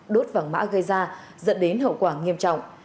đốt vàng mã gây ra dẫn đến hậu quả nghiêm trọng